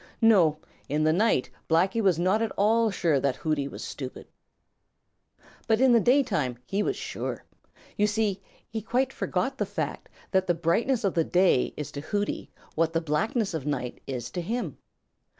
No, in the night Blacky was not at all sure that Hooty was stupid. But in the daytime he was sure. You see, he quite forgot the fact that the brightness of day is to Hooty what the blackness of night is to him.